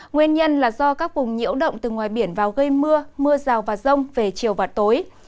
nguyên nhân là do các vùng nhiễu động từ ngoài biển vào gây mưa mưa rào và rông về chiều và tối